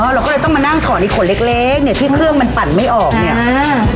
อ๋อเราก็เลยต้องมานั่งถอนอีกขนเล็กเนี่ยที่เครื่องมันปั่นไม่ออกเนี่ย